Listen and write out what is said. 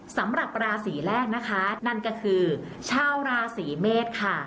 สำหรับราศีแรกนะคะนั่นก็คือชาวราศีเมษค่ะ